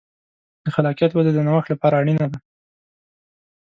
د خلاقیت وده د نوښت لپاره اړینه ده.